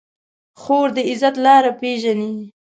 خور د عزت لاره پېژني.